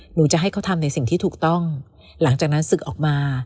หนูจะให้เขาทำในสิ่งที่ถูกต้องหลังจากนั้นศึกออกมา